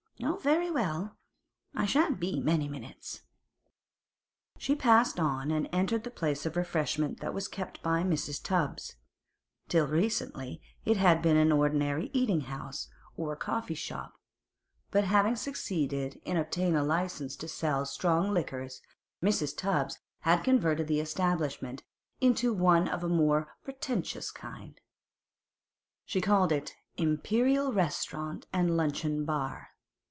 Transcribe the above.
'Oh, very well. I shan't be many minutes.' She passed on and entered the place of refreshment that was kept by Mrs. Tubbs. Till recently it had been an ordinary eating house or coffee shop; but having succeeded in obtaining a license to sell strong liquors, Mrs. Tubbs had converted the establishment into one of a more pretentious kind. She called it 'Imperial Restaurant and Luncheon Bar.